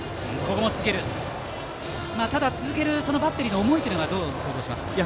ただ続けるバッテリーの思いは、どう想像しますか。